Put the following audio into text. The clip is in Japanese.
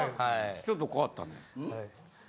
ちょっと変わったね。